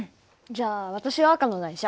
じゃあ私は赤の台車。